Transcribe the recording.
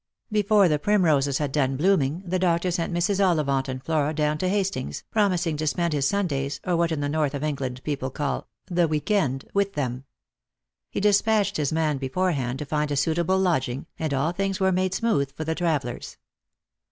Before the primroses had done blooming, the doctor sent Mrs. Ollivant and Flora down to Hastings, promising to spend his Sundays, or what in the north of England people call " the week end," with them. He despatched his man beforehand to find a suitable lodging, and all things were made smooth for the travellers.